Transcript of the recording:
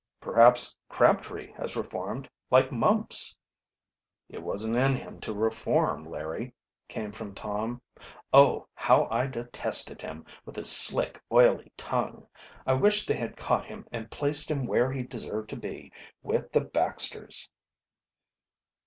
"Perhaps Crabtree has reformed, like Mumps." "It wasn't in him to reform, Larry," came from Tom. "Oh, how I detested him, with his slick, oily tongue! I wish they had caught him and placed him where he deserved to be, with the Baxters."